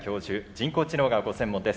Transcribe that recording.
人工知能がご専門です